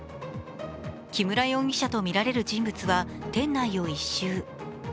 木村容疑者とみられる人物は店内を一周。